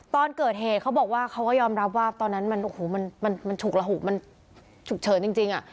ตอนเกิดเหตุเขาบอกว่าเขาก็ยอมรับว่าตอนนั้นมันโอ้โหมันฉุกระหุกมันฉุกเฉินจริง